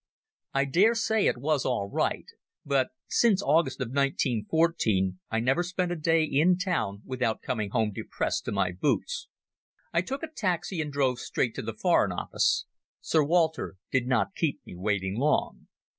I dare say it was all right; but since August 1914 I never spent a day in town without coming home depressed to my boots. I took a taxi and drove straight to the Foreign Office. Sir Walter did not keep me waiting long.